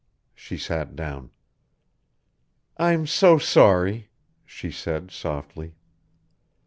She sat down. "I'm so sorry," she said softly.